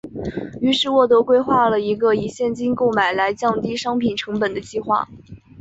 于是沃德规划了一个以现金购买来降低商品成本的计划。